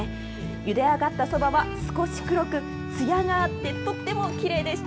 ゆで上がったそばは少し黒く、つやがあって、とってもきれいでした。